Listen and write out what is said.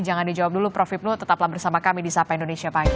jangan dijawab dulu prof ibnu tetaplah bersama kami di sapa indonesia prime news